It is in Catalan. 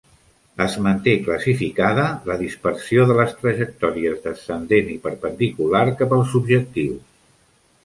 Es manté classificada la dispersió de les trajectòries descendent i perpendicular cap als objectius.